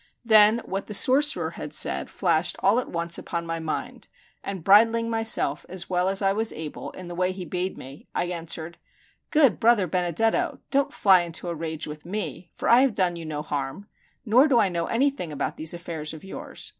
Then what the sorcerer had said flashed all at once upon my mind; and bridling myself as well as I was able, in the way he bade me, I answered: "Good brother Benedetto, don't fly into a rage with me, for I have done you no harm, nor do I know anything about these affairs of yours.